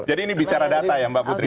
jadi ini bicara data ya mbak putri